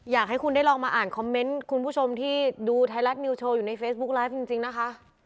อยากให้คุณได้ลองมาอ่านคอมเมนต์คุณผู้ชมที่ดูไทยรัฐนิวโชว์อยู่ในเฟซบุ๊กไลฟ์จริงนะคะ